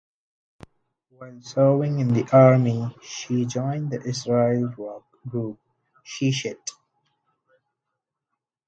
While serving in the army, she joined the Israeli rock group "Sheshet".